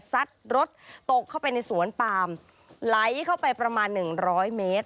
ซัดรถตกเข้าไปในสวนปามไหลเข้าไปประมาณหนึ่งร้อยเมตร